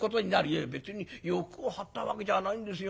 「いや別に欲を張ったわけじゃないんですよ。